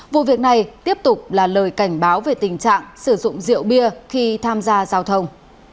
vụ việc này tiếp tục là lời cảnh báo về tình trạng sử dụng rượu bia khi tham gia giao thông